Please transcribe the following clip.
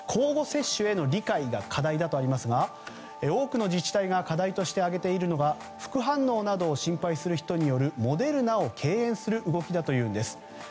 交互接種への理解が課題だとありますが多くの自治体が課題として挙げているのが副反応などを心配する人によるモデルナを敬遠する動きだというんです。